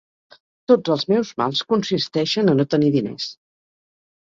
Tots els meus mals consisteixen a no tenir diners.